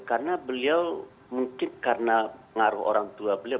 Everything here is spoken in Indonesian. karena beliau mungkin karena ngaruh orang tua beliau